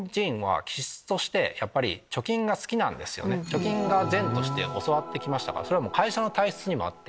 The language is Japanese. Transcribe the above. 貯金が善として教わってきたそれは会社の体質にもあって。